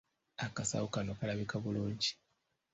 Akasawo kano kalabika bulungi.